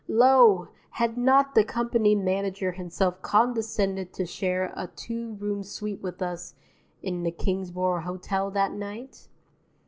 Lo! had not the company manager himself condescended to share a two room suite with us in the Kingsborough Hotel that night?